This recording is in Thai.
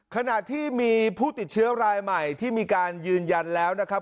ขณะที่มีผู้ติดเชื้อรายใหม่ที่มีการยืนยันแล้วนะครับ